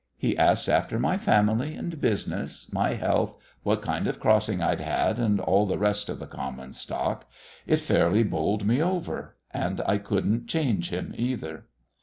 He asked after my family and business, my health, what kind of crossing I'd had, and all the rest of the common stock. It fairly bowled me over. And I couldn't change him either.